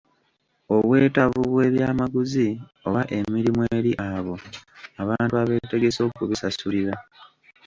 Obwetaavu bw’ebyamaguzi oba emirimu eri abo abantu abeetegese okubisasulira.